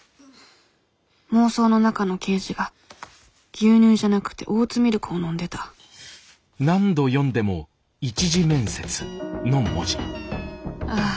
妄想の中の刑事が牛乳じゃなくてオーツミルクを飲んでたああ